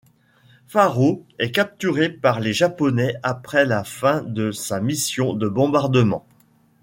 Farrow est capturé par les Japonais après la fin de sa mission de bombardement.